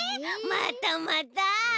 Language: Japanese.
またまた！